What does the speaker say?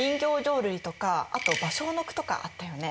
あと「芭蕉の句」とかあったよね。